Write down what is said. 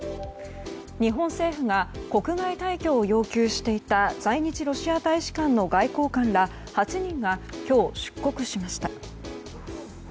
日本政府が国外退去を要求していた在日ロシア大使館の外交官ら８人が今日、出国しました。